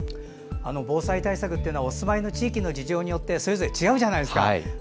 防災対策というのはお住まいの地域の事情によってそれぞれ違うじゃないですか。